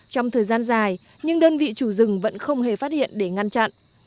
trong thời gian dài nhưng đơn vị chủ rừng vẫn không hề phát hiện để ngăn chặn